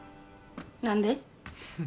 何で？